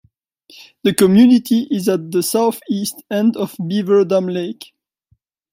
The community is at the southeast end of Beaver Dam Lake.